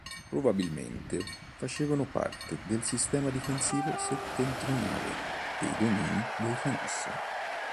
Probabilmente facevano parte del sistema difensivo settentrionale dei domini dei Canossa.